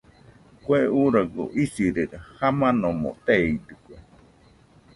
Kue uuragoɨ isirede, jamanomo teidɨkue.